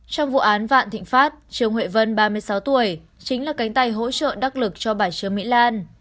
trong vụ án vạn thịnh pháp trương huệ vân ba mươi sáu tuổi chính là cánh tay hỗ trợ đắc lực cho bà trương mỹ lan